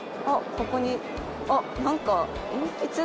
ここにあっ何か。